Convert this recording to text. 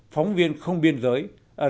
phóng viên không biên giới